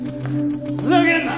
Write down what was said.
ふざけんな！